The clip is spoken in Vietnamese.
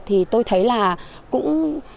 thì tôi thấy là cũng